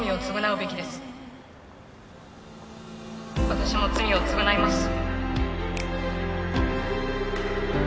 「私も罪を償います」